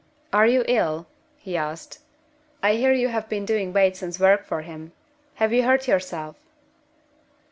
"Are you ill?" he asked. "I hear you have been doing Bateson's work for him. Have you hurt yourself?"